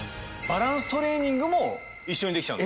バランストレーニング？